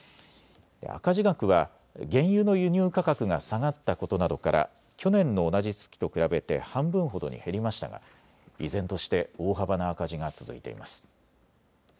赤字額は原油の輸入価格が下がったことなどから去年の同じ月と比べて半分ほどに減りましたが依然として大幅な赤字が続いています。